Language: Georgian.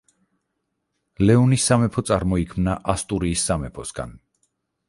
ლეონის სამეფო წარმოიქმნა ასტურიის სამეფოსგან.